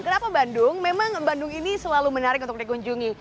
kenapa bandung memang bandung ini selalu menarik untuk dikunjungi